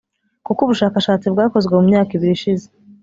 kuko ubushakashatsi bwakozwe mu myaka ibiri ishize